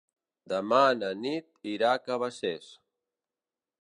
Demà na Nit irà a Cabacés.